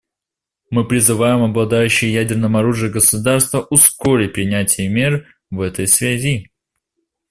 Мы призываем обладающие ядерным оружием государства ускорить принятие мер в этой связи.